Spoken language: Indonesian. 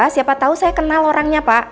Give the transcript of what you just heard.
siapa tahu saya kenal orangnya pak